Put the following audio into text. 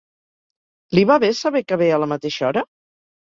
Li va bé saber que ve a la mateixa hora?